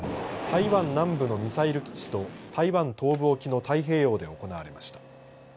台湾南部のミサイル基地と台湾東部沖の太平洋で行われました。